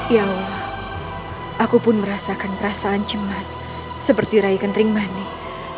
ya allah aku pun merasakan perasaan cemas seperti rai kenring manik